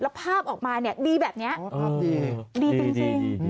แล้วภาพออกมานี่ดีแบบนี้ดีจริงดู